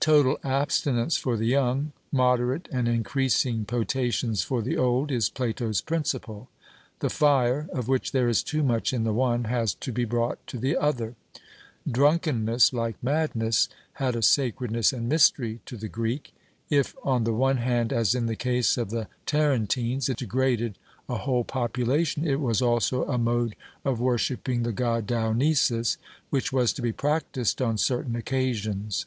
Total abstinence for the young, moderate and increasing potations for the old, is Plato's principle. The fire, of which there is too much in the one, has to be brought to the other. Drunkenness, like madness, had a sacredness and mystery to the Greek; if, on the one hand, as in the case of the Tarentines, it degraded a whole population, it was also a mode of worshipping the god Dionysus, which was to be practised on certain occasions.